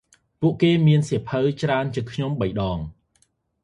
ពួកគេមានសៀវភៅច្រេីនជាងខ្ញុំបីដង។